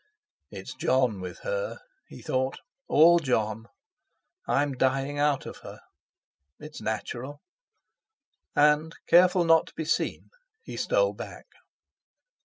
'It's Jon, with her,' he thought; 'all Jon! I'm dying out of her—it's natural!' And, careful not to be seen, he stole back.